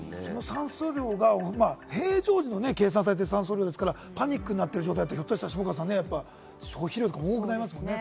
酸素量が平常時で計算されている量ですから、パニックになっている状態だとひょっとしたら下川さん、消費量多くなりますよね？